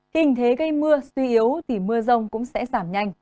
hình thế gây mưa suy yếu thì mưa rông cũng sẽ giảm nhanh